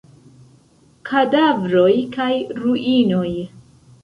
Kadavroj kaj ruinoj.